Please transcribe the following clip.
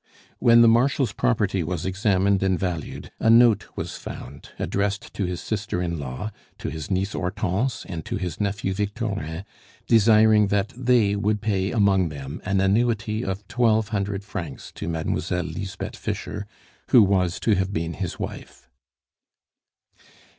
When the Marshal's property was examined and valued, a note was found, addressed to his sister in law, to his niece Hortense, and to his nephew Victorin, desiring that they would pay among them an annuity of twelve hundred francs to Mademoiselle Lisbeth Fischer, who was to have been his wife.